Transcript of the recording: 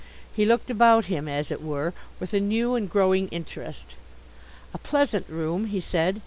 He looked about him, as it were, with a new and growing interest. "A pleasant room," he said.